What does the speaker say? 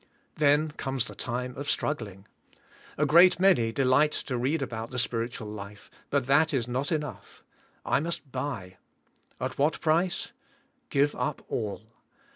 Then comes the time of strug gling. A great many delight to read about the spiritual life, but that is not enough. I must buy. At "what price? Give up all.